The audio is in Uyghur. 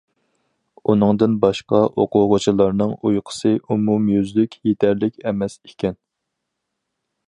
ئۇنىڭدىن باشقا، ئوقۇغۇچىلارنىڭ ئۇيقۇسى ئومۇميۈزلۈك يېتەرلىك ئەمەس ئىكەن.